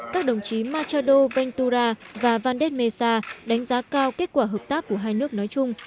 các đồng chí machado ventura và vande mesa đánh giá cao kết quả hợp tác của hai nước nói chung